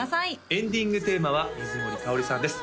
エンディングテーマは水森かおりさんです